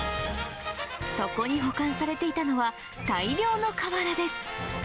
そこに保管されていたのは、大量の瓦です。